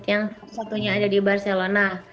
yang satunya ada di barcelona